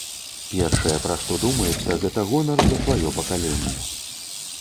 Першае, пра што думаецца, гэта гонар за сваё пакаленне.